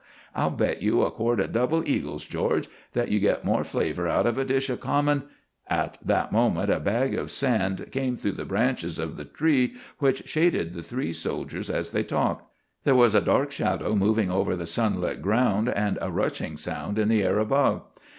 I'll bet you a quart of double eagles, George, that you get more flavor out of a dish of common " At that moment a bag of sand came through the branches of the tree which shaded the three soldiers as they talked. There was a dark shadow moving over the sunlit ground, and a rushing sound in the air above.